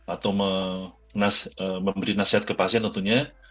atau memberi nasihat ke pasien tentunya